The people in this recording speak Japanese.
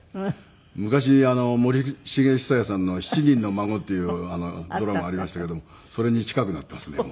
昔森繁久彌さんの『七人の孫』っていうドラマありましたけどもそれに近くなってますねもう。